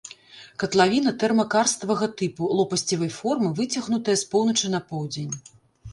Катлавіна тэрмакарставага тыпу, лопасцевай формы, выцягнутая з поўначы на поўдзень.